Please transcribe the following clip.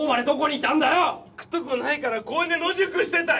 行くとこないから公園で野宿してたよ！